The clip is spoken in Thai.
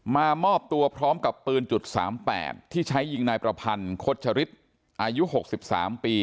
มามอบตัวพร้อมกับปืนจุดสามแปดที่ใช้ยิงนายประพันธ์โคชฌฤทธิ์อายุหกสิบสามปี